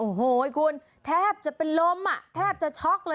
โอ้โหคุณแทบจะเป็นลมอ่ะแทบจะช็อกเลย